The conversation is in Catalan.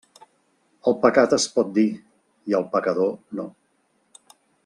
El pecat es pot dir i el pecador no.